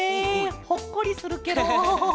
ほっこりするケロ。